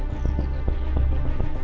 aku mau main ke rumah intan